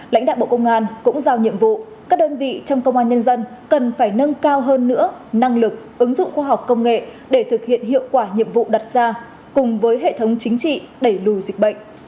lãnh đạo bộ công an cũng giao nhiệm vụ các đơn vị trong công an nhân dân cần phải nâng cao hơn nữa năng lực ứng dụng khoa học công nghệ để thực hiện hiệu quả nhiệm vụ đặt ra cùng với hệ thống chính trị đẩy lùi dịch bệnh